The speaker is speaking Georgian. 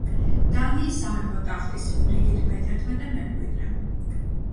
დანიის სამეფო ტახტის რიგით მეთერთმეტე მემკვიდრე.